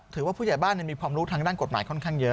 ผู้ใหญ่บ้านมีความรู้ทางด้านกฎหมายค่อนข้างเยอะ